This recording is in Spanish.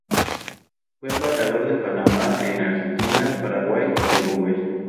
Fue embajador de Panamá en Argentina, Paraguay y Uruguay.